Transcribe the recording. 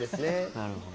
なるほど。